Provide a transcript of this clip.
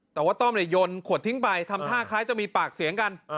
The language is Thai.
แต่ว่าต้อมยนขวดทิ้งไปทำท่าคล้ายจะมีปากเสียงกัน